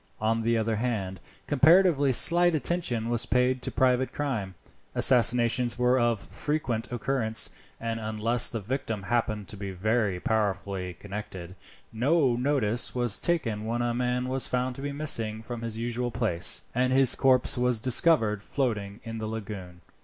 On the other hand, comparatively slight attention was paid to private crime. Assassinations were of frequent occurrence, and unless the victim happened to be very powerfully connected, no notice was taken when a man was found to be missing from his usual place, and his corpse was discovered floating in the lagoon.